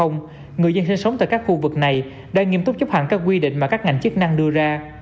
người dân sinh sống tại các khu vực này đang nghiêm túc chấp hành các quy định mà các ngành chức năng đưa ra